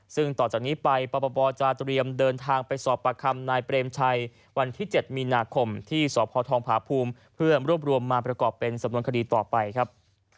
ซึ่งต่อจากนี้ไปปปจะเตรียมเดินทางไปสอบประคำนายเปรมชัยวันที่๗มีนาคมที่สพทองผาภูมิเพื่อรวบรวมมาประกอบเป็นสำนวนคดีต่อไปครับ